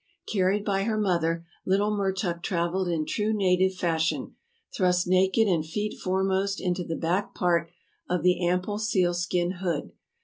Carried by her mother, little Mertuk travelled in true native fashion, thrust naked and feet foremost into the back part of the ample seal skin hood.